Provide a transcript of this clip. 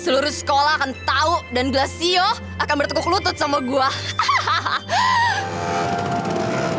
seluruh sekolah akan tahu dan gelas siyo akan bertukuk lutut sama gue hahaha